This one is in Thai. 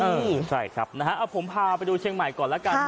ใช่ครับนะฮะเอาผมพาไปดูเชียงใหม่ก่อนแล้วกัน